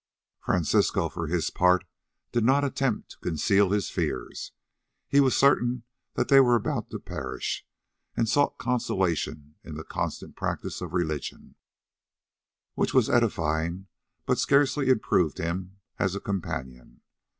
Francisco for his part did not attempt to conceal his fears. He was certain that they were about to perish and sought consolation in the constant practice of religion, which was edifying but scarcely improved him as a companion.